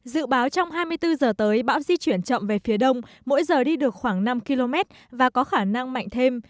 dự báo trong hai mươi bốn giờ tới bão di chuyển chậm về phía đông mỗi giờ đi được khoảng năm km và có khả năng mạnh thêm